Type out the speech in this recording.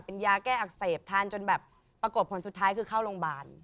เป็นยาแก้อักเสบทานจนแบบปรากฏผลสุดท้ายคือเข้าโรงพยาบาล